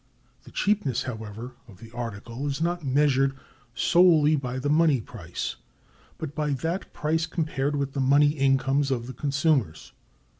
The cheapness, however, of the article is not measured solely by the money price, but by that price compared with the money incomes of the consumers.